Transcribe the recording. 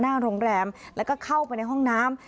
หน้าโรงแรมแล้วก็เข้าไปในห้องน้ำ